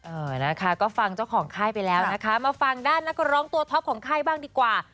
เออนะคะก็ฟังเจ้าของค่ายไปแล้วนะคะมาฟังด้านนักร้องตัวท็อปของค่ายบ้างดีกว่า